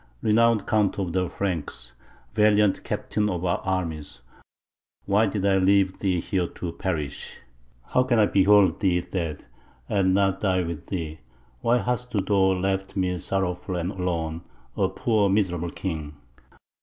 Renowned Count of the Franks, valiant captain of our armies, why did I leave thee here to perish? How can I behold thee dead, and not die with thee? Why hast thou left me sorrowful and alone, a poor miserable king?